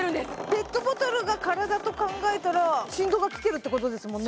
ペットボトルが体と考えたら振動がきてるってことですもんね